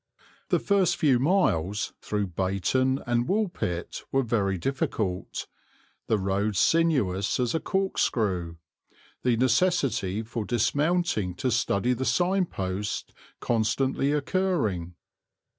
The first few miles, through Bayton and Woolpit, were very difficult, the road sinuous as a corkscrew, the necessity for dismounting to study the sign posts constantly occurring.